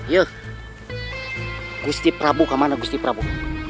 ya gusti prabu kemana gusti prabu